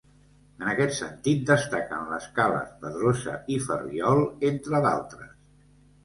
En aquest sentit destaquen les cales Pedrosa i Ferriol, entre d'altres.